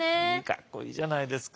かっこいいじゃないですか。